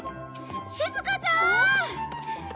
しずかちゃん！